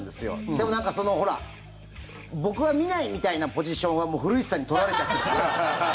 でも、なんか僕は見ないみたいなポジションはもう古市さんに取られちゃったんですよ。